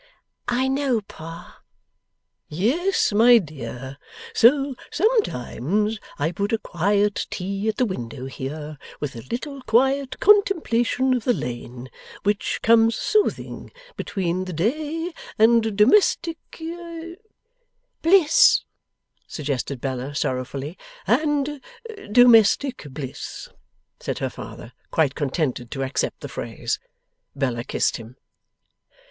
'I know, Pa.' 'Yes, my dear. So sometimes I put a quiet tea at the window here, with a little quiet contemplation of the Lane (which comes soothing), between the day, and domestic ' 'Bliss,' suggested Bella, sorrowfully. 'And domestic Bliss,' said her father, quite contented to accept the phrase. Bella kissed him.